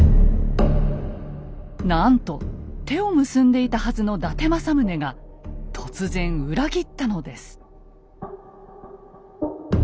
なんと手を結んでいたはずの伊達政宗が突然裏切ったのです。